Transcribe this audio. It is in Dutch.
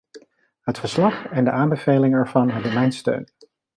Het verslag en de aanbevelingen ervan hebben mijn steun.